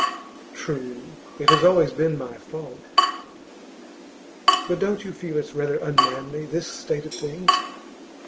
'True. It has always been my fault.' 'But don't you feel it's rather unmanly, this state of things?